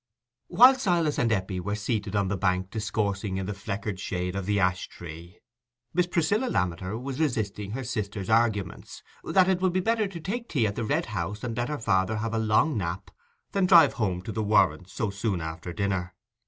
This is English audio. While Silas and Eppie were seated on the bank discoursing in the fleckered shade of the ash tree, Miss Priscilla Lammeter was resisting her sister's arguments, that it would be better to take tea at the Red House, and let her father have a long nap, than drive home to the Warrens so soon after dinner.